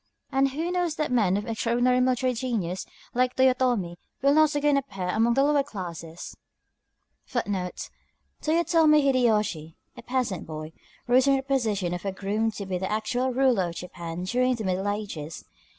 And who knows that men of extraordinary military genius, like Toyotomi, will not again appear among the lower classes?" Toyotomi Hidéyoshi, a peasant boy, rose from the position of a groom to be the actual ruler of Japan during the Middle Ages.